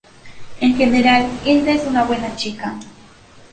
En general, Hilda es una buena chica.